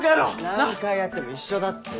何回やっても一緒だって。